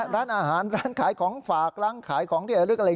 ร้านอาหารร้านขายของฝากร้านขายของที่ระลึกอะไร